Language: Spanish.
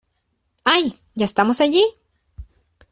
¡ Ay! ¿ ya estamos allí?